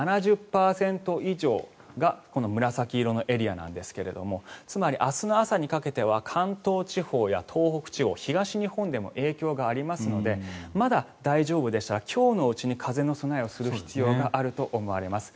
７０％以上がこの紫色のエリアなんですがつまり、明日の朝にかけては関東地方や東北地方東日本でも影響がありますのでまだ大丈夫でしたら今日のうちに風の備えをする必要があると思われます。